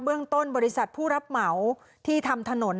เรื่องต้นบริษัทผู้รับเหมาที่ทำถนน